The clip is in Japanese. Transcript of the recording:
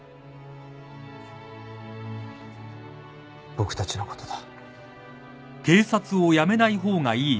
僕たちのことだ。